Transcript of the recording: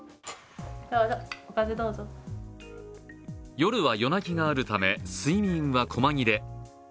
夜は夜泣きがあるため、睡眠はこま切れ。